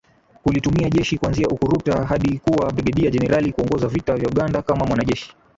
kulitumikia jeshi kuanzia ukuruta hadi kuwa Brigedia Jenerali kuongoza vita ya Uganda kama mwanajeshi